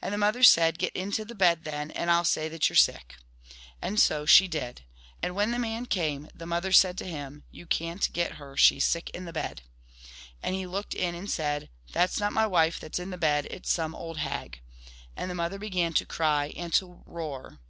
And the mother said, " Get into the bed, then, and I '11 say that you 're sick." And so she did. And when the man came the mother said to him, "You can't get her, she 's sick in the bed." And he looked in and said, "That 's not my wife that 's in the bed, it 's some old hag." And the mother began to cry and to roar.